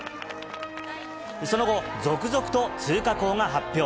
その後、続々と通過校が発表。